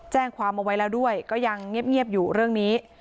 แจ้งความเอาไว้แล้วด้วยก็ยังเงียบอยู่เรื่องนี้